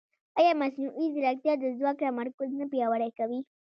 ایا مصنوعي ځیرکتیا د ځواک تمرکز نه پیاوړی کوي؟